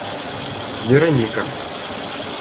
Вероника